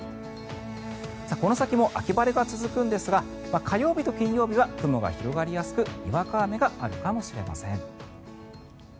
この先も秋晴れが続くんですが火曜日と金曜日は雲が広がりやすくにわか雨があるかもしれません。